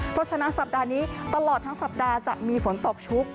เพราะฉะนั้นสัปดาห์นี้ตลอดทั้งสัปดาห์จะมีฝนตกชุก